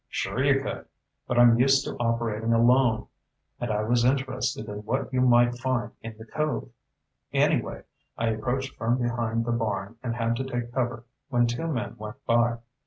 "Sure you could. But I'm used to operating alone, and I was interested in what you might find in the cove. Anyway, I approached from behind the barn and had to take cover when two men went by.